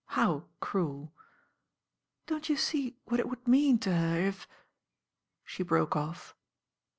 "How cruel?" "Don't you see what it would mean to her if ?" she broke off.